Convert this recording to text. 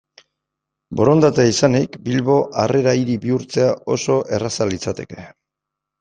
Borondatea izanik, Bilbo Harrera Hiri bihurtzea oso erraza litzateke.